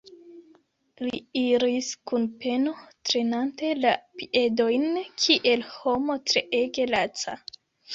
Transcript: Li iris kun peno, trenante la piedojn, kiel homo treege laca.